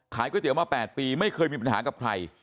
ก๋วยเตี๋ยมา๘ปีไม่เคยมีปัญหากับใคร